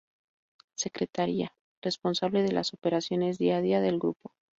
Secretaría: Responsable de las operaciones día a día del grupo.